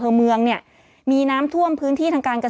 ศูนย์อุตุนิยมวิทยาภาคใต้ฝั่งตะวันอ่อค่ะ